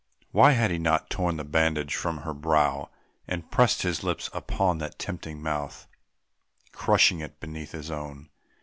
Why had he not torn the bandage from her brow, and pressed his lips upon that tempting mouth, crushing it beneath his own?